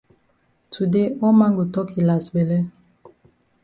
Today all man go tok yi las bele